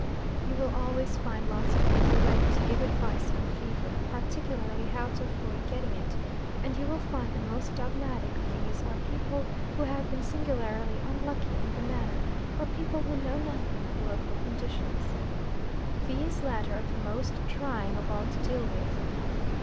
You will always find lots of people ready to give advice on fever, particularly how to avoid getting it, and you will find the most dogmatic of these are people who have been singularly unlucky in the matter, or people who know nothing of local conditions. These latter are the most trying of all to deal with.